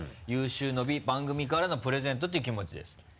有終の美番組からのプレゼントっていう気持ちです。